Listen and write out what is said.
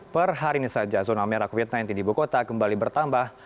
per hari ini saja zona merah covid sembilan belas di ibu kota kembali bertambah